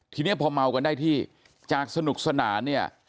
ทีนี้พอเมากันได้ที่จากสนุกสนานเนี่ย